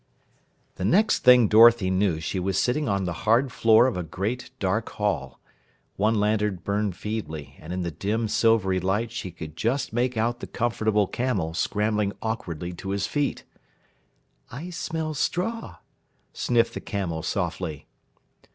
The next thing Dorothy knew, she was sitting on the hard floor of a great, dark hall. One lantern burned feebly, and in the dim, silvery light she could just make out the Comfortable Camel scrambling awkwardly to his feet. "I smell straw," sniffed the Camel softly.